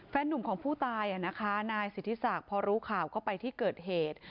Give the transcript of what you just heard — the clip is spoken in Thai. หนุ่มของผู้ตายนายสิทธิศักดิ์พอรู้ข่าวก็ไปที่เกิดเหตุ